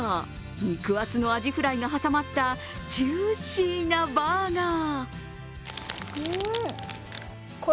肉厚のアジフライが挟まったジューシーなバーガー。